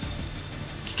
危険